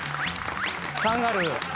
カンガルー。